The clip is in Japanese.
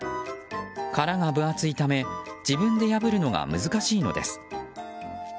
殻が分厚いため自分で破るのが難しいのです。